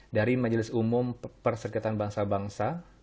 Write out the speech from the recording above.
dari majelis umum perserikatan bangsa bangsa